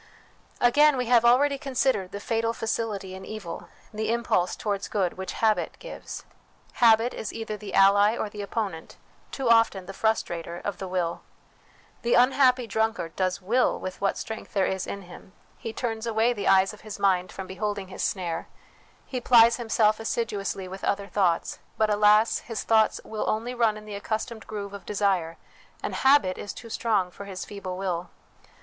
Again, we have already considered the fatal facility in evil, the impulse towards good, which habit gives. Habit is either the ally or the opponent, too often the frustrator, of the will. The unhappy drunkard does will with what strength there is in him ; he turns away the eyes of THE WILL CONSCIENCE DIVINE LIFE 327 his mind from beholding his snare ; he plies himself assiduously with other thoughts ; but alas, his thoughts will only run in the accustomed groove of desire, and habit is too strong for his feeble will.